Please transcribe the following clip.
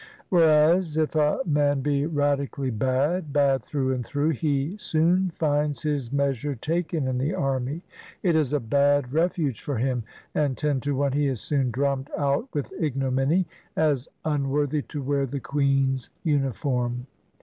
Whereas, if a man be radically bad — bad through and through — he soon finds his measure taken in the army. It is a bad refuge for him, and ten to one he is soon drummed out with ignominy, as unworthy to wear the Queen's uni form.